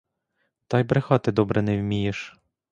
Та й брехати добре не вмієш!